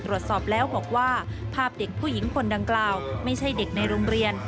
ตรวจสอบแล้วบอกว่าภาพเด็กผู้หญิงคนดังกล่าวไม่ใช่เด็กในโรงเรียน